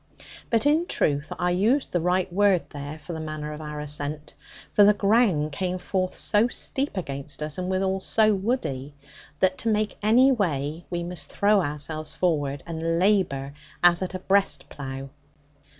But in truth I used the right word there for the manner of our ascent, for the ground came forth so steep against us, and withal so woody, that to make any way we must throw ourselves forward, and labour as at a breast plough.